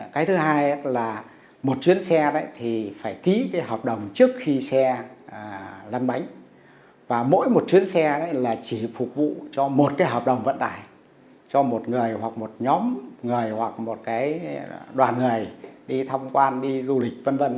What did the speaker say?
cái thứ hai là một chuyến xe thì phải ký cái hợp đồng trước khi xe lăn bánh và mỗi một chuyến xe là chỉ phục vụ cho một cái hợp đồng vận tải cho một người hoặc một nhóm người hoặc một cái đoàn người đi tham quan đi du lịch v v